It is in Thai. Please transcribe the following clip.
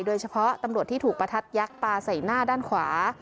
โดยเฉพาะตำรวจที่ถูกประทัดยักษ์ปลาใส่หน้าด้านขวา